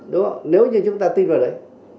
đúng không nếu như chúng ta tin vào đấy